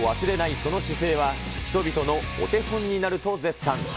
その姿勢は、人々のお手本になると絶賛。